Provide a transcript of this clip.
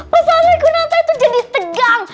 pesantren kunanta itu jadi tegang